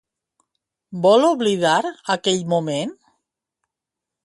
Vol oblidar aquell moment?